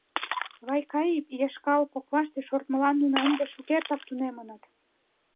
Вайкаи еш калык коклаште шортмылан нуно ынде шукертак тунемыныт.